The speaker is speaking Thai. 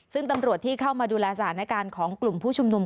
ซึ่งตำรวจที่เข้ามาดูแลสถานการณ์ของกลุ่มผู้ชุมนุม